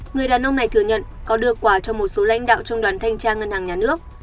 người đàn ông này thừa nhận có đưa quả cho một số lãnh đạo trong đoàn thanh tra ngân hàng nhà nước